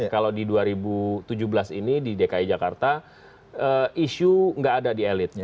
kalau di dua ribu tujuh belas ini di dki jakarta isu nggak ada di elitnya